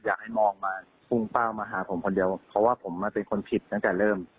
อยากให้มองมาพุ่งเป้ามาหาผมคนเดียวเพราะว่าผมมาเป็นคนผิดตั้งแต่เริ่ม